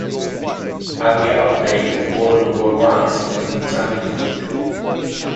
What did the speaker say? At the outbreak of World War One she was in the Channel Fleet.